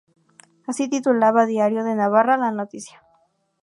Así titulaba Diario de Navarra la noticia.